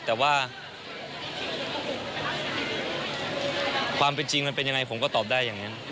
แต่ว่าความเป็นจริงมันเป็นยังไงผมก็ตอบได้อย่างนั้น